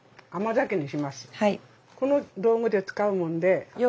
この道具で使うもんで。